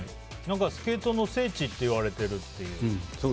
スケートの聖地っていわれてるっていう。